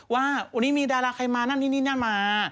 ว่าวันนี้มีดาราใครมานั่นนี่นั่นมา